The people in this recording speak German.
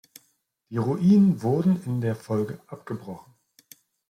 Die Ruinen wurden in der Folge abgebrochen.